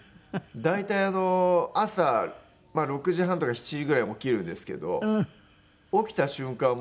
大体朝６時半とか７時ぐらいに起きるんですけど起きた瞬間